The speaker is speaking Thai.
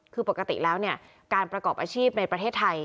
คือปกติแล้วเนี่ยการประกอบอาชีพในประเทศไทย